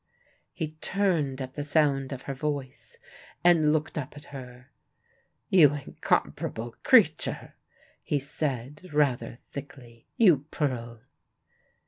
He turned at the sound of her voice, and looked up at her. "You incomparable creature," he said rather thickly. "You pearl!"